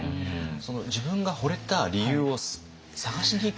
その自分がほれた理由を探しにいく？